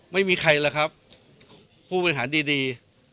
ไม่มีใครหรอกครับผู้บริหารดี